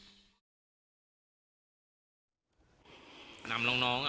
แม้นายเชิงชายผู้ตายบอกกับเราว่าเหตุการณ์ในครั้งนั้น